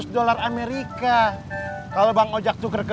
dollar amerika kalau bang ojak tuker ke